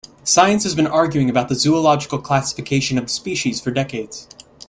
Science has been arguing about the zoological classification of the species for decades.